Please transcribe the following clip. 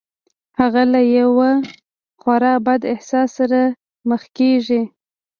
هغه له يوه خورا بد احساس سره مخ کېږي.